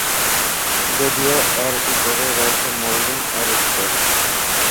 যদিও এর উপরে রয়েছে মোল্ডিং-এর স্তর।